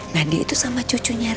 nah dia itu sama cucunya rena